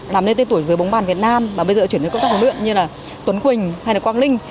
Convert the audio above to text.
làm nên tên tuổi giữa bóng bản việt nam mà bây giờ chuyển đến công tác huấn luyện như là tuấn quỳnh hay là quang linh